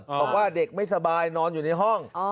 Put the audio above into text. บอกว่าเด็กไม่สบายนอนอยู่ในห้อง